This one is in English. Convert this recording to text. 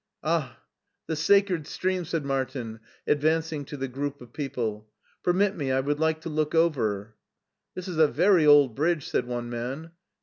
" Ah, the sacred stream !" said Martin, advancing to the group of people. Permit me, I would like to look over." This is a very old bridge," said one man.